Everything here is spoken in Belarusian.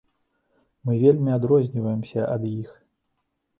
Мы вельмі адрозніваемся ад іх.